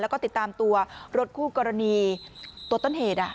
แล้วก็ติดตามตัวรถคู่กรณีตัวต้นเหตุ